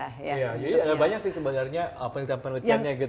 jadi ada banyak sih sebenarnya penelitian penelitiannya